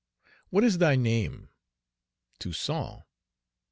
"What is thy name?" "Toussaint."